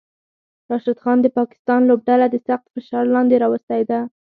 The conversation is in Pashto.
راشد خان د پاکستان لوبډله د سخت فشار لاندې راوستی ده